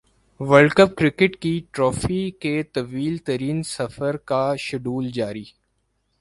world cup cricket کی trophy کے طویل ترین سفر کا شیڈول جاری